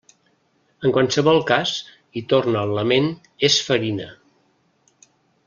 En qualsevol cas, i torna el lament, és farina.